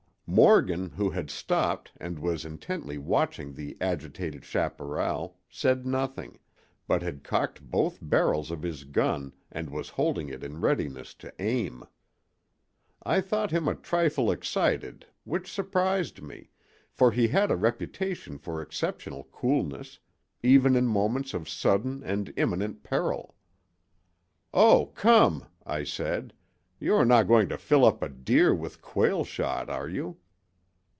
"Morgan, who had stopped and was intently watching the agitated chaparral, said nothing, but had cocked both barrels of his gun and was holding it in readiness to aim. I thought him a trifle excited, which surprised me, for he had a reputation for exceptional coolness, even in moments of sudden and imminent peril. "'O, come,' I said. 'You are not going to fill up a deer with quail shot, are you?